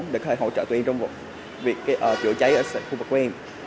để có thể hỗ trợ tụi em trong việc chữa cháy ở khu vực của em